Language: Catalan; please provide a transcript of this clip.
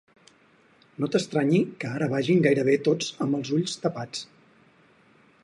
No t'estranyi que ara vagin gairebé tots amb els ulls tapats.